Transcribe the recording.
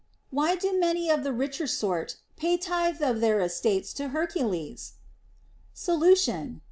Why do many of the richer sort pay tithe of their estates to Hercules \ Solution.